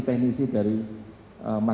pertama hal saya